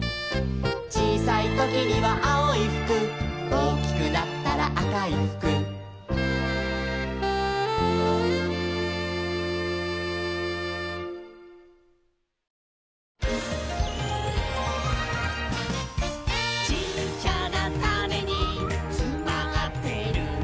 「ちいさいときにはあおいふく」「おおきくなったらあかいふく」「ちっちゃなタネにつまってるんだ」